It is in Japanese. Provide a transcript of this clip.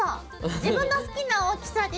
自分の好きな大きさでよろしく。